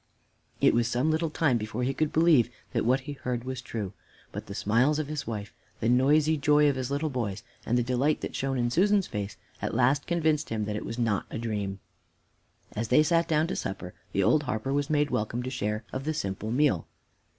It was some little time before he could believe that what he heard was true; but the smiles of his wife, the noisy joy of his little boys, and the delight that shone in Susan's face at last convinced him that he was not in a dream. As they sat down to supper, the old harper was made welcome to his share of the simple meal.